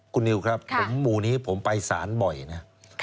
คุณนิวครับหมู่นี้ผมไปสารบ่อยนะ